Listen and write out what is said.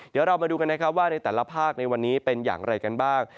เดี๋ยวเรามาดูกันนะครับว่าในแต่ละภาคในวันนี้เป็นอย่างไรกันบ้าง